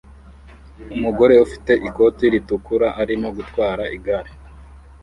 Umugore ufite ikoti ritukura arimo gutwara igare